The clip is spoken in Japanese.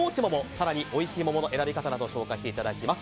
更においしいものの選び方など紹介していただきます。